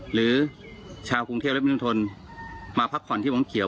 หรือชาวกรุงเทพฯและมนุษย์มนุษย์มาพักผ่อนที่หวังเขียว